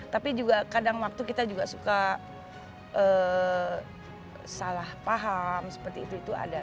tapi juga kadang waktu kita juga suka salah paham seperti itu itu ada